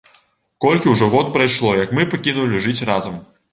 Колькі ўжо год прайшло, як мы пакінулі жыць разам!